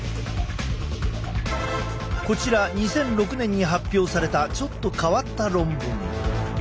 こちら２００６年に発表されたちょっと変わった論文。